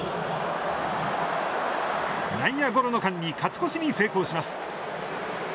内野ゴロの間に勝ち越しに成功します。